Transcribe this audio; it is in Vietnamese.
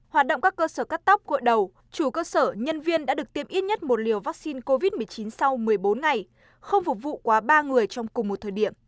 hoạt động các cơ sở cắt tóc cội đầu chủ cơ sở nhân viên đã được tiêm ít nhất một liều vaccine covid một mươi chín sau một mươi bốn ngày không phục vụ quá ba người trong cùng một thời điểm